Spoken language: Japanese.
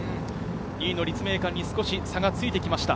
２位の立命館に少し差がついてきました。